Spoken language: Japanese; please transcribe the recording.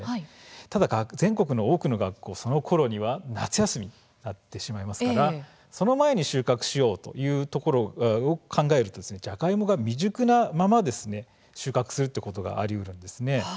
ただ、全国の多くの学校はそのころには夏休みになってしまいますからその前に収穫しようというとジャガイモがまだ未熟なまま収穫することがあるんです。